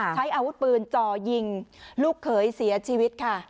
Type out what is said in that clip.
ใช้อาวุธปืนจ่อยิงลูกเขยเสียชีวิตค่ะ